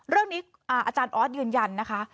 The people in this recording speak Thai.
เรื่องนี้อาจารย์ออสยืนยันนะคะ